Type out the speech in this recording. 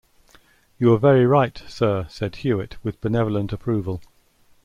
"You are very right, sir," said Hewitt with benevolent approval.